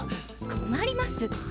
困ります。